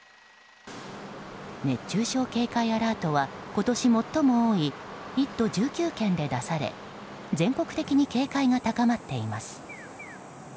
熱中症警戒アラートは今年、最も多い１都１９県で出され全国的に警戒が高まっています。